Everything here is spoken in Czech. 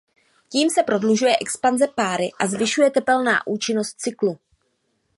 Tím se prodlužuje expanze páry a zvyšuje tepelná účinnost cyklu.